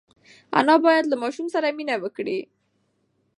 انا باید له ماشوم سره مینه وکړي.